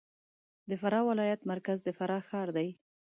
د فراه ولایت مرکز د فراه ښار دی